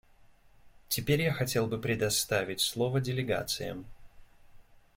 Теперь я хотел бы предоставить слово делегациям.